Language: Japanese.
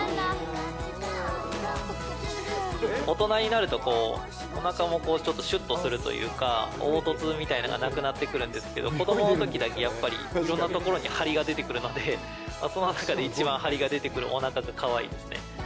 大人になると、おなかもちょっとしゅっとするというか、凹凸みたいのがなくなってくるんですけど、子どものときだけ、やっぱりいろんなところに張りが出てくるので、その中で一番張りが出てくるおなかがかわいいですね。